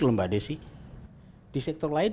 lho mbak disy di sektor lain